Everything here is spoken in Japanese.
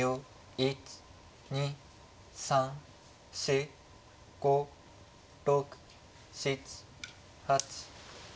１２３４５６７８。